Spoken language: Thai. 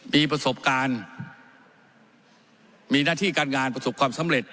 มีประสบการณ์มีหน้าที่การงานประสบความสำเร็จ